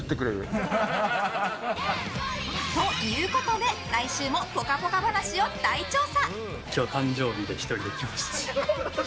ということで来週もぽかぽか話を大調査！